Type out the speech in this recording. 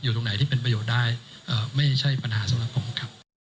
ตรงไหนที่เป็นประโยชน์ได้ไม่ใช่ปัญหาสำหรับผมครับ